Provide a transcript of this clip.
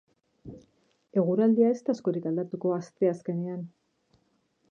Eguraldia ez da askorik aldatuko asteazkenean.